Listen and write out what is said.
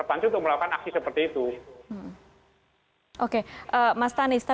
bahkan kelompok buruh dan mahasiswa pun ketika terpanting mereka keluar